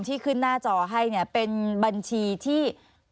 ที่ขึ้นหน้าจอให้เนี่ยเป็นบัญชีที่